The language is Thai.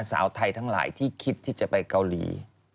สาวไทยทั้งหลายที่คิดที่จะไปเกาหลี